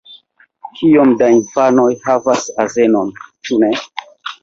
Kiom da infanoj havas azenon? Ĉu ne?